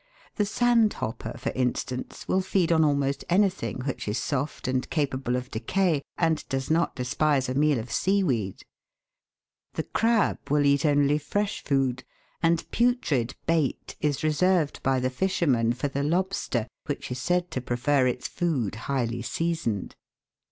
The sand hopper, for instance, will feed on almost any thing which is soft and capable of decay, and does not despise a meal of seaweed; the crab will eat only fresh food, and putrid bait is reserved by the fisherman for the lobster, which is said to prefer its food highly seasoned.